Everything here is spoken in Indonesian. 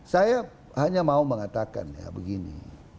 saya hanya mau mengatakan ya begini